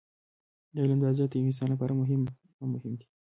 د علم دا ارزښت د يوه انسان لپاره هم مهم دی.